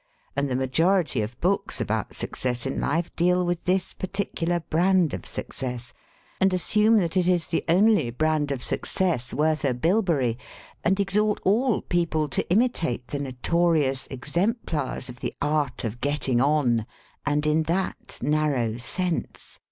And the ma jority of books about success in life deal with this particular brand of success, and assume that it is the only brand of success worth a bilberry, and exhort all people to imitate the notorious ex emplars of the art of 'getting on' and in that nar row sense.